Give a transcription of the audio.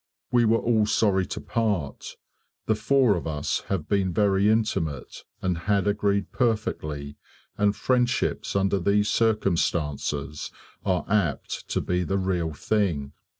We were all sorry to part the four of us have been very intimate and had agreed perfectly and friendships under these circumstances are apt to be the real thing.